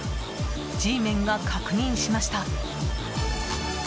Ｇメンが確認しました。